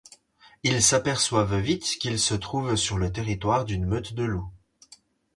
Ils s’aperçoivent vite qu’ils se trouvent sur le territoire d’une meute de loups.